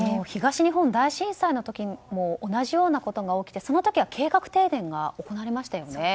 東日本大震災の時も同じようなことが起きてその時は計画停電が行われましたよね。